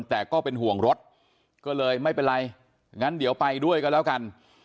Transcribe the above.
แต่ก็เป็นห่วงรถก็เลยไม่เป็นไรงั้นเดี๋ยวไปด้วยกันแล้วกัน